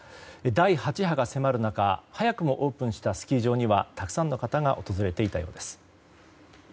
第８波が迫る中早くもオープンしたスキー場にはたくさんの方が訪れていたようです。